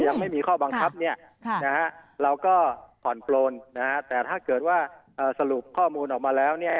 ยังไม่มีข้อบังคับเราก็คอนโปรนแต่ถ้าเกิดว่าสรุปข้อมูลออกมาแล้ว